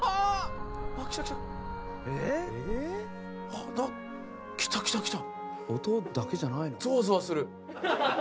あっきたきたきた。